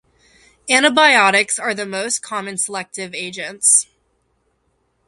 Antibiotics are the most common selective agents.